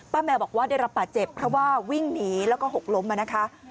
แมวบอกว่าได้รับบาดเจ็บเพราะว่าวิ่งหนีแล้วก็หกล้มมานะคะ